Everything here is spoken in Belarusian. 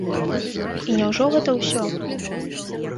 І няўжо гэта ўсё?